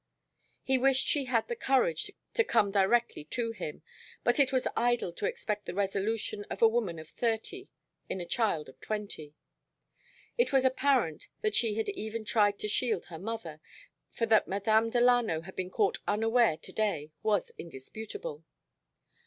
He wished she had had the courage to come directly to him, but it was idle to expect the resolution of a woman of thirty in a child of twenty. It was apparent that she had even tried to shield her mother, for that Madame Delano had been caught unaware to day was indisputable.